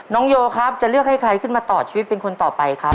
โยครับจะเลือกให้ใครขึ้นมาต่อชีวิตเป็นคนต่อไปครับ